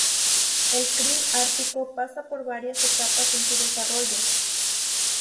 El kril ártico pasa por varias etapas en su desarrollo.